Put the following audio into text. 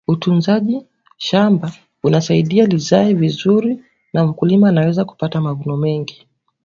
utunzaji shamba unasaidia lizae vizuri na mkulima aweze kupata mavuno mengi